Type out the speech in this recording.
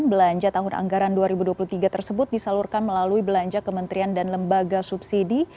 belanja tahun anggaran dua ribu dua puluh tiga tersebut disalurkan melalui belanja kementerian dan lembaga subsidi